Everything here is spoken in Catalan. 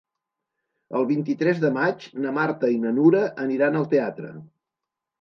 El vint-i-tres de maig na Marta i na Nura aniran al teatre.